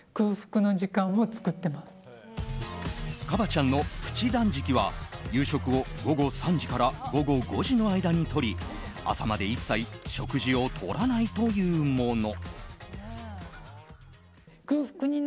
ＫＡＢＡ．ちゃんのプチ断食は夕食を午後３時から午後５時の間にとり朝まで一切食事をとらないというもの。